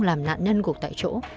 làm nạn nhân gục tại chỗ